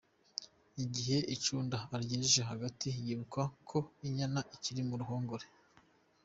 Igihe icunda arigejeje hagati, yibuka ko inyana ikiri mu ruhongore.